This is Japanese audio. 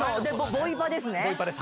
ボイパです。